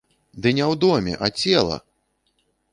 Ды не ў доме, а цела!